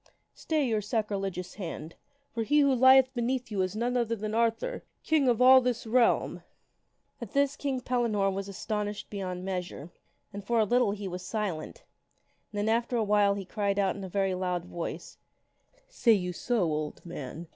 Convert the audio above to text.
Stay your sac rilegious hand ! For he who lieth beneath you is none other than Arthur, King of all this realm !" At this King Pellinore was astonished beyond measure. And for a little he was silent, and then after awhile he cried out in a very loud voice, " Say you so, old man